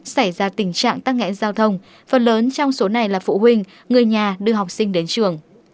xảy ra tình trạng tăng nghẹn giao thông phần lớn trong số này là phụ huynh người nhà đưa học sinh đến trường